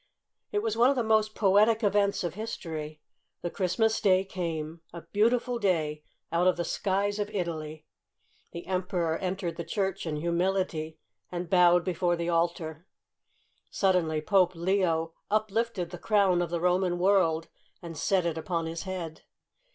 It was one of the most poetic events of history. The Christmas day came, a beautiful day out of the skies of Italy. The Emperor entered the church in humility, and bowed before the altar. Suddenly Pope Leo up lifted the crown of the Roman world, and set it upon his head.